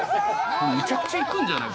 めちゃくちゃいくんじゃない？